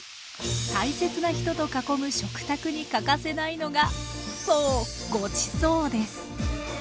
大切な人と囲む食卓に欠かせないのがそうごちそうです。